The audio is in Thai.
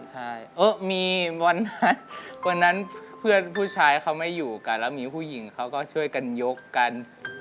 ใช่เออมีวันนั้นวันนั้นเพื่อนผู้ชายเขาไม่อยู่กันแล้วมีผู้หญิงเขาก็ช่วยกันยกกัน